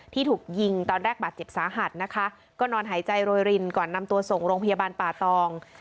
ที่ถูกยิงตอนแรกบาดเจ็บสาหัสนะคะก็นอนหายใจโรยรินก่อนนำตัวส่งโรงพยาบาลป่าตอง